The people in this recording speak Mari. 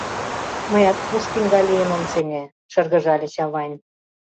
— Мыят Пушкин гай лийын ом сеҥе, — шыргыжале Чавайн.